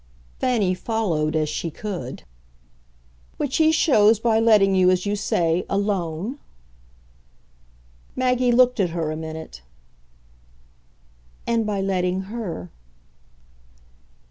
Fanny followed as she could. "Which he shows by letting you, as you say, alone?" Maggie looked at her a minute. "And by letting her."